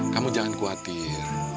kamu jangan khawatir